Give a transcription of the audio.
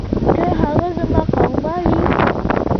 که هغه زما له قومه وي.